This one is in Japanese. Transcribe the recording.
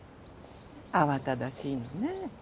慌ただしいのね。